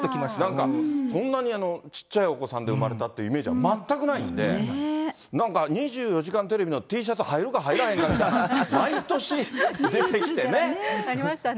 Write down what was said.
なんかこんなにちっちゃいお子さんで産まれたというイメージは、全くないんで、なんか、２４時間テレビのＴシャツ、入るか入らへんかの、毎年出てきてね。ありましたね。